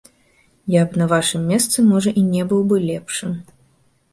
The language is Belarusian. Я б на вашым месцы, можа, і не быў бы лепшым.